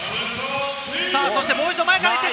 もう一度、前から行く！